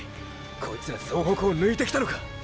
こいつら総北を抜いてきたのか！！